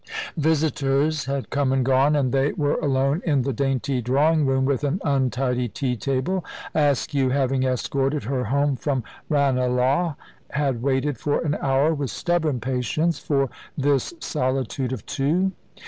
Visitors had come and gone, and they were alone in the dainty drawing room, with an untidy tea table. Askew, having escorted her home from Ranelagh, had waited for an hour with stubborn patience for this solitude of two.